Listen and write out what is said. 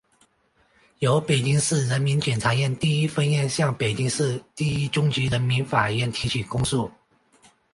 由北京市人民检察院第一分院向北京市第一中级人民法院提起公诉